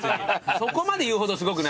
そこまで言うほどすごくないから。